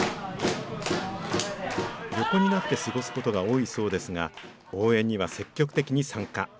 横になって過ごすことが多いそうですが、応援には積極的に参加。